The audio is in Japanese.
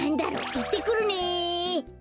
いってくるね。